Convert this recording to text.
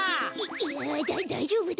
いやだだいじょうぶだよ。